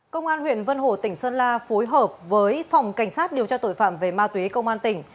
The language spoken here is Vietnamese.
công an huyện vân hồ tỉnh sơn la phối hợp với phòng cảnh sát điều tra tội phạm về ma túy công an tỉnh